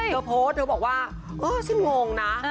เธอโพสต์เธอบอกว่าเออฉันงงนะ